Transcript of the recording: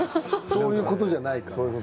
そういうことじゃないから。